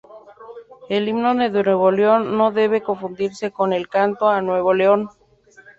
El Himno de Nuevo León no debe confundirse con el "Canto a Nuevo León".